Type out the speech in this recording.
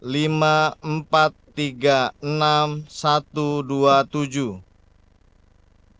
jumlah surat suara yang digunakan